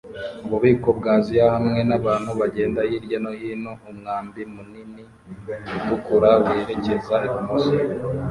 Ububiko bwa Aziya hamwe nabantu bagenda hirya no hino umwambi munini utukura werekeza ibumoso